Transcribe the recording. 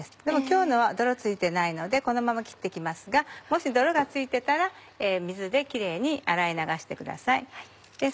でも今日のは泥付いてないのでこのまま切って行きますがもし泥が付いてたら水でキレイに洗い流してください。